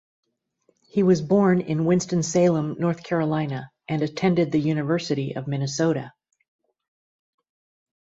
He was born in Winston-Salem, North Carolina and attended the University of Minnesota.